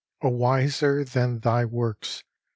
O wiser than Thy works!